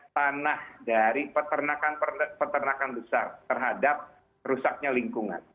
tanah dari peternakan besar terhadap rusaknya lingkungan